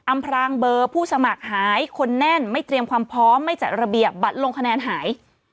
พรางเบอร์ผู้สมัครหายคนแน่นไม่เตรียมความพร้อมไม่จัดระเบียบบัตรลงคะแนนหาย